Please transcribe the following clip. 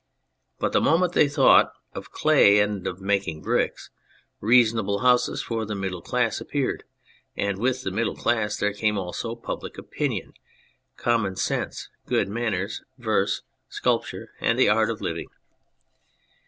But the moment they thought of clay and of making bricks, reasonable houses for the middle class ap peared ; and with the middle class there came also public opinion, common sense, good manners, verse, sculpture, and the art of living.